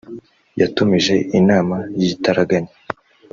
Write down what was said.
yatumije inama y’igitaraganya